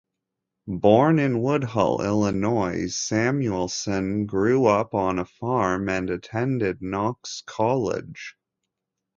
Born in Woodhull, Illinois, Samuelson grew up on a farm and attended Knox College.